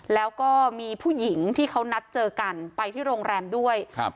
แล้วก็มีผู้หญิงที่เขานัดเจอกันไปที่โรงแรมด้วยครับ